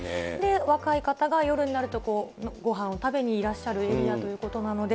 若い方が夜になると、ごはんを食べにいらっしゃるエリアということで。